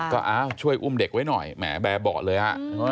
ก็ช่วยอุ้มเด็กไว้หน่อยแบบบอกเลย